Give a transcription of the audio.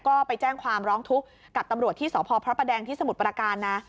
ก็ไปแจ้งความร้องทุกข์กับตำรวจที่สพพระประแดงที่สมุทรประการนะ